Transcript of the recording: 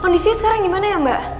kondisinya sekarang gimana ya mbak